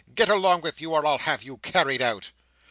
"Get along with you, or I'll have you carried out!"